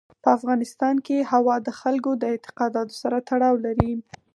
په افغانستان کې هوا د خلکو د اعتقاداتو سره تړاو لري.